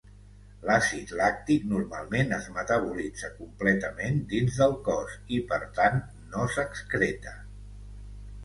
L'àcid làctic normalment es metabolitza completament dins del cos i per tant no s'excreta.